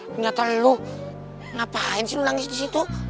ternyata lu ngapain sih nangis disitu